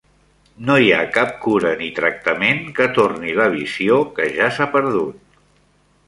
No hi ha cap cura ni tractament que torni la visió que ja s'ha perdut.